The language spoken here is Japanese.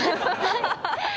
ハハハハ！